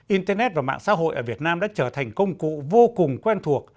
internet và mạng xã hội ở việt nam đã trở thành công cụ vô cùng quen thuộc